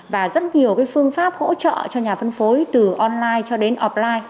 và rất nhiều phương pháp hỗ trợ cho nhà phân phối từ online cho đến offline